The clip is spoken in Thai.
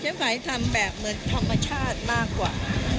ไฟล์ทำแบบเหมือนธรรมชาติมากกว่า